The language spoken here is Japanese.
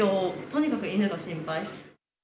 とにかく犬が心配。